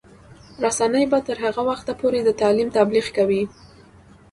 رسنۍ به تر هغه وخته پورې د تعلیم تبلیغ کوي.